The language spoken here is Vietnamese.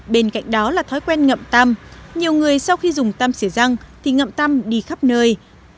bên cạnh đó là thói quen ngậm tăm nhiều người sau khi dùng tăm xỉa răng thì ngậm tăm đi khắp nơi